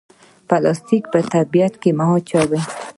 پلاستیک په طبیعت کې مه اچوئ